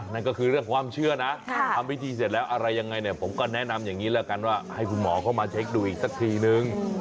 นั่นก็คือเรื่องความเชื่อนะทำพิธีเสร็จแล้วอะไรยังไงเนี่ยผมก็แนะนำอย่างนี้แล้วกันว่าให้คุณหมอเข้ามาเช็คดูอีกสักทีนึง